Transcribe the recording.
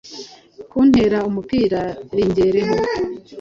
nkutera umupira ringereho.”